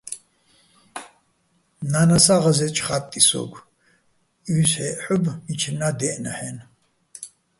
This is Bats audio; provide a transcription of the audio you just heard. ნა́ნასა ღაზე́ნჭ "ხა́ტტიჼ" სო́გო̆, უჲსჰ̦ეჸ ჰ̦ობ, მიჩრენაა́ დე́ჸნა́ჰ̦-აჲნო̆.